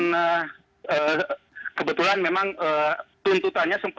dan kebetulan memang tuntutannya